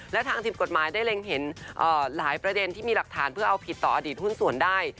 และทางทีมกฎหมายได้เล็งเห็นหลายประเด็นที่มีหลักฐานเพื่อเอาผิดต่ออดีตหุ้นส่วนได้